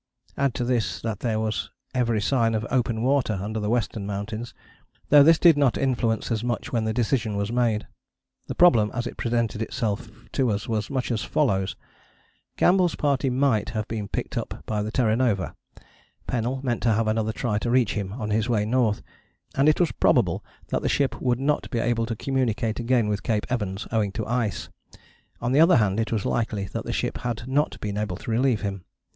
Add to this that there was every sign of open water under the Western Mountains, though this did not influence us much when the decision was made. The problem as it presented itself to us was much as follows: Campbell's Party might have been picked up by the Terra Nova. Pennell meant to have another try to reach him on his way north, and it was probable that the ship would not be able to communicate again with Cape Evans owing to ice: on the other hand it was likely that the ship had not been able to relieve him.